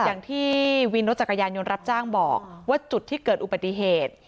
อย่างที่วินรถจักรยานยนต์รับจ้างบอกว่าจุดที่เกิดอุบัติเหตุ